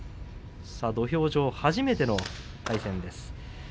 土俵上は初めての対戦です。